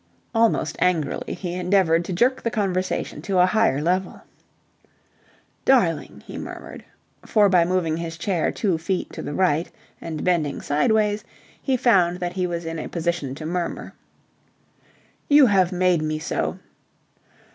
Almost angrily he endeavoured to jerk the conversation to a higher level. "Darling," he murmured, for by moving his chair two feet to the right and bending sideways he found that he was in a position to murmur, "you have made me so..."